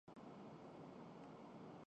Sinhala